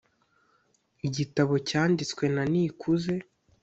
igitabo cyanditswe na nikuze